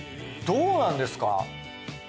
どうなんですか？